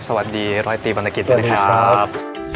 สวัสดีร้อยตีบรรณกิจนะครับ